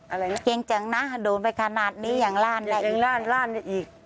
อะไรนะเกร็งจังนะโดนไปขนาดนี้อย่างล่านได้อีก